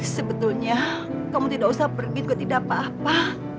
sebetulnya kamu tidak usah pergi juga tidak apa apa